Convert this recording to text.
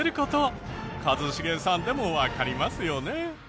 一茂さんでもわかりますよね？